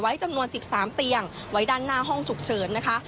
จำนวน๑๓เตียงไว้ด้านหน้าห้องฉุกเฉินนะคะ